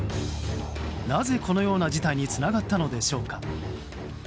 なぜ、このような事態につながったのでしょうか。